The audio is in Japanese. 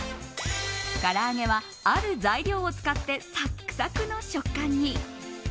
から揚げは、ある材料を使ってサックサクの食感に。